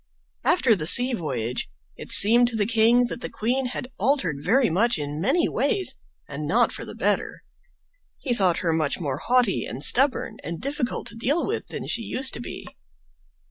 After the sea voyage it seemed to the king that the queen had altered very much in many ways, and not for the better. He thought her much more haughty and stubborn and difficult to deal with than she used to be.